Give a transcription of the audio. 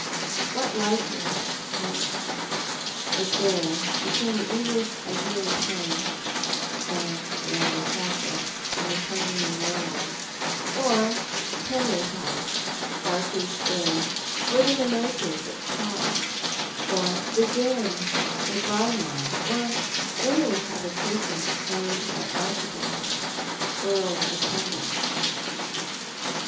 "What likeness was there between the English ideal of home and Killander Castle, on the Cumbrian moorland ; or Penrith House, Berkeley Square ; or the Mimosas at Cannes ; or the Den, near Braemar ; or any habitation owned by Archibald, Earl of Penrith?